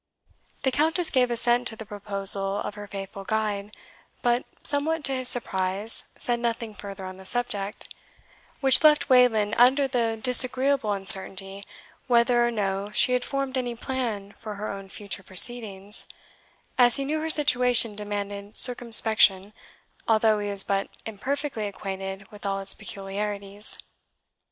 The Countess gave assent to the proposal of her faithful guide; but, somewhat to his surprise, said nothing further on the subject, which left Wayland under the disagreeable uncertainty whether or no she had formed any plan for her own future proceedings, as he knew her situation demanded circumspection, although he was but imperfectly acquainted with all its peculiarities.